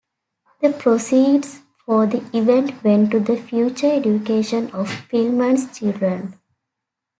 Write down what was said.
The proceeds for the event went to the future education of Pillman's children.